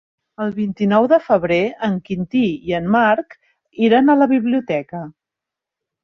El vint-i-nou de febrer en Quintí i en Marc iran a la biblioteca.